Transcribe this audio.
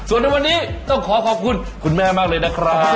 ส่วนในวันนี้ต้องขอขอบคุณคุณแม่มากเลยนะครับ